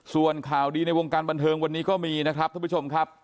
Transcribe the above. ส่วนข่าวดีในวงการบันเทิงวันนี้ก็มีนะครับท่านผู้ชมครับ